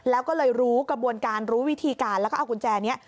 แล้วก็เลยรู้กระบวนการรู้วิธีการแล้วก็เอากุญแจนี้